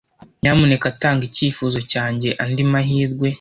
Nyamuneka tanga icyifuzo cyanjye andi mahirwe.